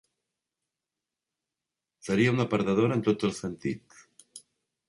Seria una perdedora en tots els sentits.